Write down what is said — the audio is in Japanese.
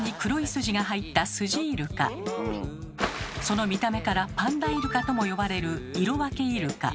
その見た目から「パンダイルカ」とも呼ばれるイロワケイルカ。